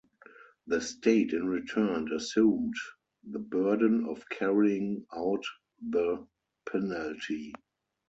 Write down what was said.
The State in return assumed the burden of carrying out the penalty.